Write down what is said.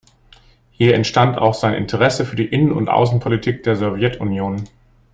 Hier entstand auch sein Interesse für die Innen- und Außenpolitik der Sowjetunion.